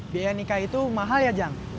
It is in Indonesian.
biaya nikah itu mahal ya jang